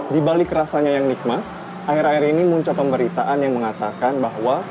di balik rasanya yang nikmat akhir akhir ini muncul pemberitaan yang mengatakan bahwa